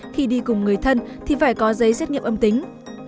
khi đi cùng người thân thì phải có giấy xét nghiệm âm tính